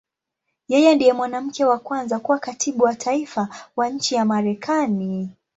Yeye ndiye mwanamke wa kwanza kuwa Katibu wa Taifa wa nchi ya Marekani.